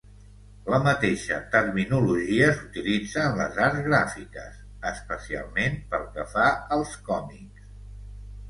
La mateixa terminologia s'utilitza en les arts gràfiques, especialment pel que fa als còmics.